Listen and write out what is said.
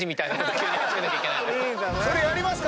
それやりますか？